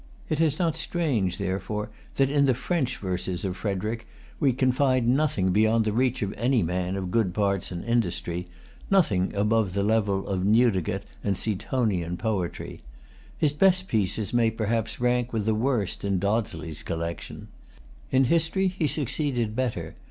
It is not strange, therefore, that, in the French verses of Frederic, we can find nothing beyond the reach of any man of good parts and industry, nothing above the level of Newdigate and Seatonian poetry. His best pieces may perhaps rank with the worst in Dodsley's collection. In history, he succeeded better.